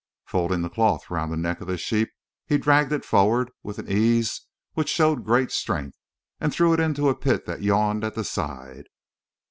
Folding the cloth round the neck of the sheep, he dragged it forward, with an ease which showed great strength, and threw it into a pit that yawned at the side.